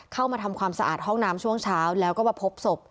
เข้ามาทำความสะอาดห้องน้ำช่วงเช้าแล้วก็มาพบศพ